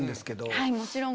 はいもちろん。